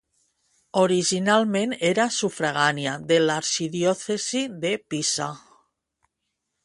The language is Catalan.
Originalment era sufragània de l'arxidiòcesi de Pisa.